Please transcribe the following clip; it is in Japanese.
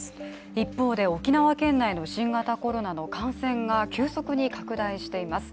一方で、沖縄県内の新型コロナの感染が急速に拡大しています。